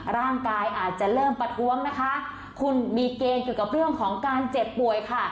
ร่างกายอาจจะเริ่มประท้วงนะคะคุณมีเกณฑ์เกี่ยวกับเรื่องของการเจ็บป่วยค่ะ